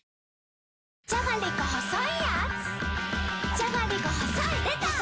じゃがりこ細いやーつ